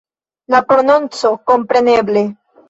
La prononco, kompreneble.